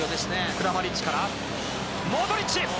クラマリッチからモドリッチ！